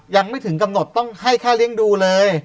ยังไม่ถึงกำหนดต้องให้ค่าเลี้ยงดูเลย